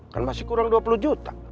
kan masih kurang dua puluh juta